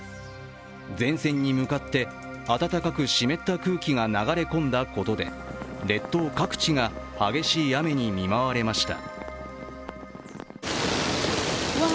前線に向かって暖かく湿った空気が流れ込んだことで列島各地が激しい雨に見舞われました。